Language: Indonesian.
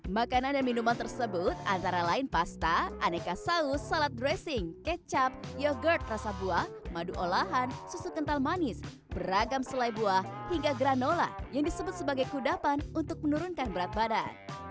makanan dan minuman tersebut antara lain pasta aneka saus salad dressing kecap yogurt rasa buah madu olahan susu kental manis beragam selai buah hingga granola yang disebut sebagai kudapan untuk menurunkan berat badan